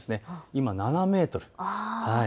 今、７メートル。